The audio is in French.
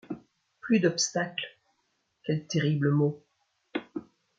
Plus d’obstacles ! quel terrible mot.